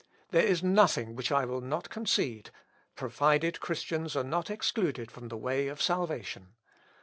There is nothing which I will not concede, provided Christians are not excluded from the way of salvation.